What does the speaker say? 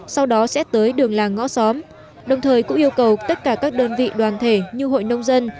sau đó sẽ tới đường làng ngõ xóm đồng thời cũng yêu cầu tất cả các đơn vị đoàn thể như hội nông dân